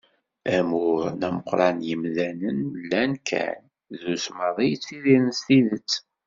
Amur n ameqqran n yimdanen llan kan , drus maḍi i yettidiren s tidet.